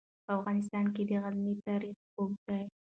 په افغانستان کې د غزني تاریخ اوږد دی.